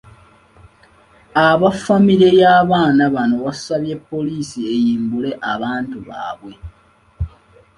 Aba famire y’abaana bano basabye poliisi eyimbule abantu baabwe.